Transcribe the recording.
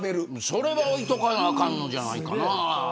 それは置いとかなあかんじゃないかな。